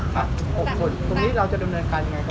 ๖คนตรงนี้เราจะดำเนินการยังไงครับ